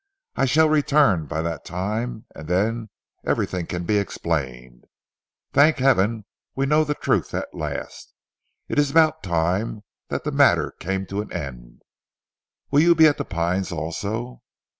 I shall return by that time and then everything can be explained. Thank heaven we know the truth at last. It is about time the matter came to an end. Will you be at 'The Pines' also?"